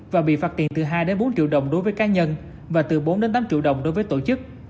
và bị phạt tiền từ hai bốn triệu đồng đối với cá nhân và từ bốn tám triệu đồng đối với tổ chức